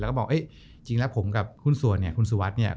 แล้วก็บอกจริงแล้วผมกับคุณสวัสดิ์เนี่ย